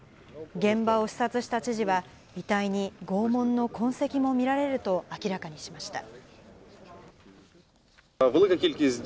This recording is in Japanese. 現場を視察した知事は、遺体に拷問の痕跡も見られると明らかにしました。